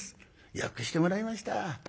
よくしてもらいました。